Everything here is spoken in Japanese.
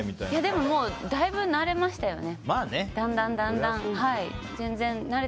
でもだいぶ慣れましたよね。